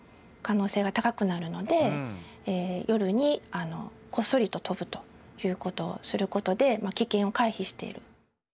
やっぱり鳥とかそういった飛ぶということをすることで危険を回避している。